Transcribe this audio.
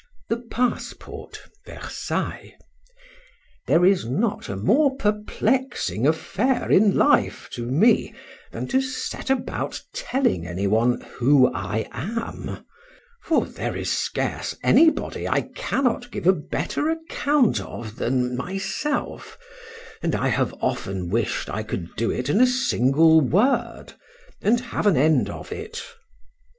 THE PASSPORT. VERSAILLES. THERE is not a more perplexing affair in life to me, than to set about telling any one who I am,—for there is scarce any body I cannot give a better account of than myself; and I have often wished I could do it in a single word,—and have an end of it.